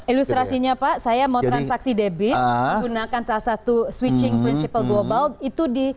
ilustrasinya pak saya mau transaksi debit gunakan salah satu switching principle global itu di